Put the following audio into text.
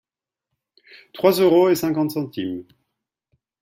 Trois euros et cinquante centimes.